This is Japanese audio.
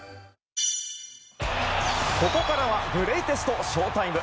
ここからはグレイテストＳＨＯ‐ＴＩＭＥ！